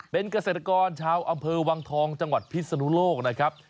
เป็นเกษตรกรชาวอำเภอวังทองจังหวัดพิศนุโลกนะครับ